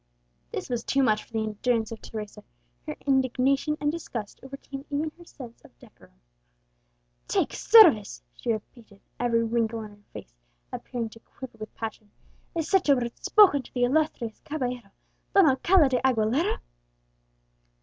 This was too much for the endurance of Teresa; her indignation and disgust overcame even her sense of decorum. "Take service!" she repeated, every wrinkle in her face appearing to quiver with passion; "is such a word spoken to the illustrious caballero, Don Alcala de Aguilera?"